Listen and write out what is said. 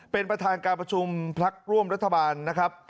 เป็นประธานการประชุมพักร่วมรัฐบาลนะครับ